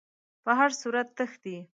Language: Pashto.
په هر صورت تښتي.